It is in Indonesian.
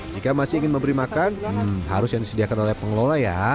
jika masih ingin memberi makan hmm harus yang disediakan oleh pengelola ya